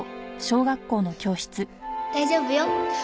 大丈夫よ。